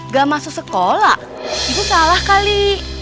gak masuk sekolah itu salah kali